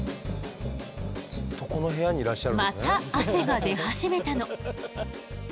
また汗が出始めたの。